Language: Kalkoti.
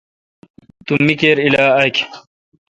تو می کیر الا اک۔